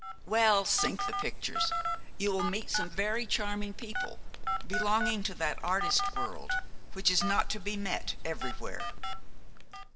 'Well, sink the pictures. You will meet some very charming people, belonging to that artist world which is not to be met everywhere.'